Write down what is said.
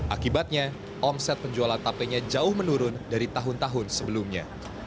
akibatnya omset penjualan tapenya jauh menurun dari tahun tahun sebelumnya